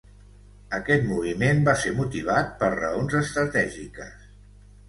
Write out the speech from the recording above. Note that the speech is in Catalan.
Aquest moviment va ser motivat per raons estratègiques.